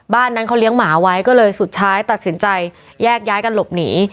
บ้านนั้นเขาเลี้ยงหมาไว้ก็เลยสุดท้ายตัดสินใจแยกย้ายกันหลบหนี